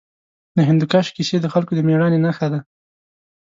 د هندوکش کیسې د خلکو د مېړانې نښه ده.